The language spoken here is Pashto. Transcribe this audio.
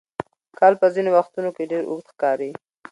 کال په ځینو وختونو کې ډېر اوږد ښکاري.